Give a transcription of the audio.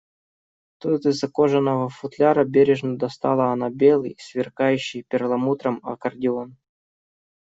Тут из кожаного футляра бережно достала она белый, сверкающий перламутром аккордеон